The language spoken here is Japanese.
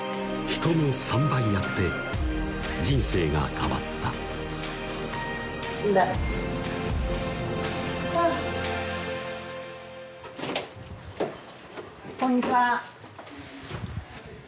人の３倍やって人生が変わった死んだハァこんにちは！